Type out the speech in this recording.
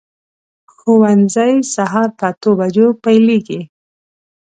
ښوونځی سهار په اتو بجو پیلېږي.